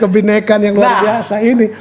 kebinekaan yang luar biasa ini